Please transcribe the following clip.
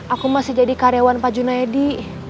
aku masih jadi karyawan pak junaidi